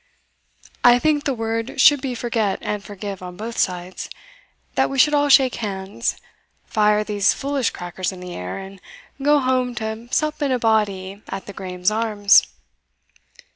I think the word should be forget and forgive on both sides, that we should all shake hands, fire these foolish crackers in the air, and go home to sup in a body at the Graeme's Arms."